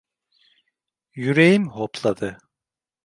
Yüreğim hopladı.